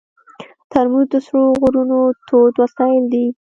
ترموز د سړو غرونو تود وسایل دي.